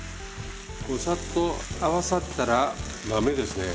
さっと合わさったら豆ですね。